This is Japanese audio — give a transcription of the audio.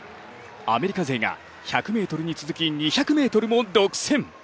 アメリカ勢が１００ｍに続き２００ｍも独占。